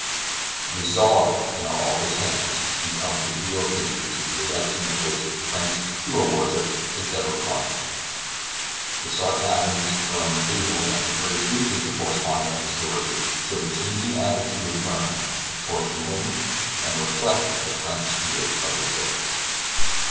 The Czar, in our author's hands, becomes the hero figure to the erection of which French "hero worship" is ever prone. The sarcasms thrown occasionally at the British newspaper correspondent of the story, show the changing attitude of Verne toward England, and reflect the French spirit of his day.